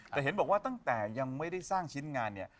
แต่เห็นบอกว่าตั้งแต่ยังไม่ได้สร้างชิ้นงานเนี่ย